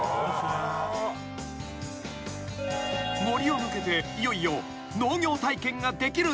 ［森を抜けていよいよ］